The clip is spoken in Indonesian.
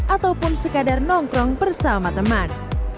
ataupun sekadar nongkrong bersama teman